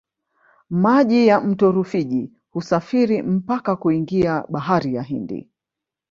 maji ya mto rufiji husafiri mpaka kuingia bahari ya hindi